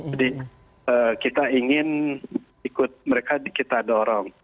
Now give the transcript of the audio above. jadi kita ingin ikut mereka kita dorong